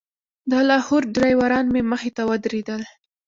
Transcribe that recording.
د لاهور ډریوران مې مخې ته ودرېدل.